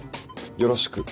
よろしく。